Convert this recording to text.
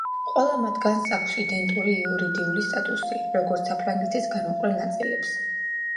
ყველა მათგანს აქვს იდენტური იურიდიული სტატუსი, როგორც საფრანგეთის განუყრელ ნაწილებს.